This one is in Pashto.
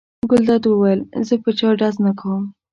ګلداد وویل: زه په چا ډز نه کوم.